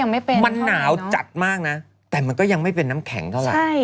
มันหนาวจัดมากนะแต่มันก็ยังไม่เป็นน้ำแข็งเท่าไหร่